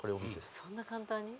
そんな簡単に？